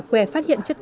nếu sau năm phút